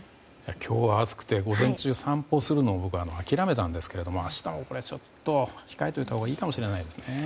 今日は暑くて午前中、散歩するのを僕は諦めたんですが明日もちょっと控えておいたほうがいいかもしれないですね。